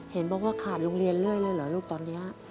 เห็นบอกว่าขาดโรงเรียนเรื่อยเลยเหรอลูกตอนนี้